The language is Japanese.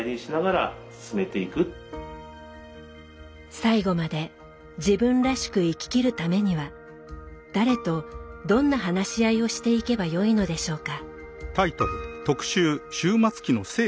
最後まで自分らしく生ききるためには誰とどんな話し合いをしていけばよいのでしょうか。